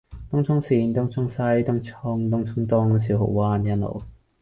東涌綫：東涌西，東涌，東涌東，小蠔灣，欣澳，